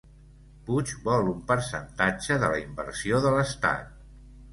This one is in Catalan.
Puig vol un percentatge de la inversió de l'estat